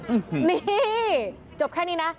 อืมนี่จบแค่นี้นะ